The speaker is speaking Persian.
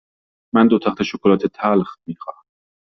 من دو تخته شکلات تلخ می خواهم.